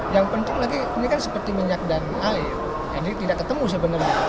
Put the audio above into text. yang penting lagi ini kan seperti minyak dan air jadi tidak ketemu sebenarnya